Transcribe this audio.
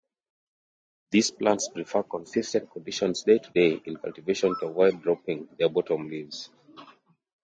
These plants prefer consistent conditions day-to-day in cultivation to avoid dropping their bottom leaves.